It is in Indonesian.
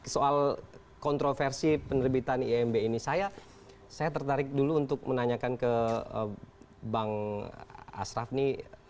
soal kontroversi penerbitan imb ini saya tertarik dulu untuk menanyakan ke bang ashraf ini